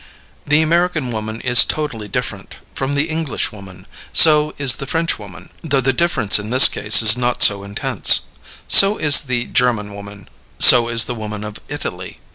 The American woman is totally different from the English woman. So is the French woman, though the difference in this case is not so intense; so is the German woman; so is the woman of Italy.